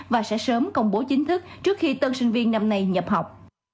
và sẽ sớm công bố chính thức trước khi tân sinh viên năm nay nhập học